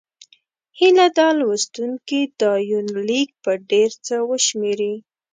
هيله ده لوستونکي دا یونلیک په ډېر څه وشمېري.